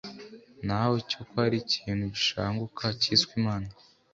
naho cyo ko ari ikintu gishanguka cyiswe imana;